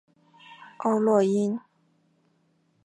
欧络因。